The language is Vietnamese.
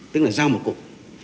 tức là giao một cục